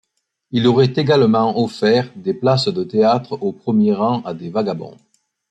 Il aurait également offert des places de théâtre aux premiers rangs à des vagabonds.